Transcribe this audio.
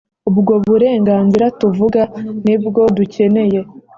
ubwo burenganzira tuvuga ni bwo dukeneye,